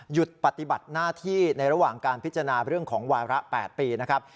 ปฏิบัติหน้าที่ในระหว่างการพิจารณาเรื่องของวาระ๘ปีนะครับ